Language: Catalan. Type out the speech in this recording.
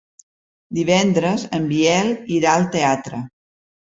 Divendres en Biel irà al teatre.